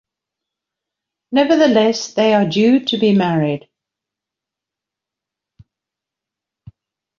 Nevertheless, they are due to be married.